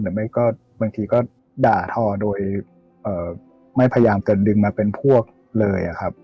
หรือบางทีก็ด่าทอโดยไม่พยายามเกิดดึงมาเป็นพวกเลย